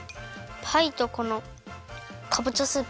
パイとこのかぼちゃスープ。